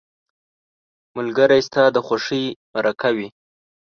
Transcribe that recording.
ملګری ستا د خوښۍ مرکه وي